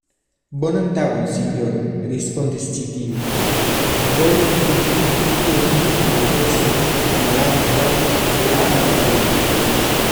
Bonan tagon, sinjoro, respondis ĉi tiu, volu vin turni maldekstren malantaŭ la arbareto.